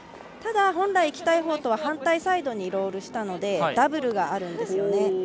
ただ本来行きたい方向と反対にロールしたのでダブルがあるんですよね。